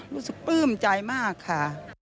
รู้สึกเปิ้มใจมากค่ะ